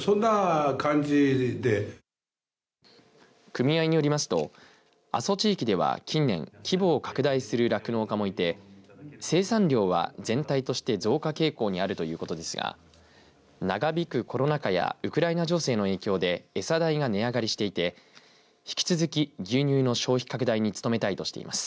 組合によりますと阿蘇地域では近年、規模を拡大する酪農家もいて生産量は全体として増加傾向にあるということですが長引くコロナ禍やウクライナ情勢の影響で餌代が値上がりしていて引き続き牛乳の消費拡大に努めたいとしています。